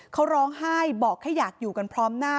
เขาร้องไห้บอกแค่อยากอยู่กันพร้อมหน้า